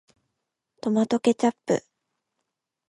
トマトケチャップ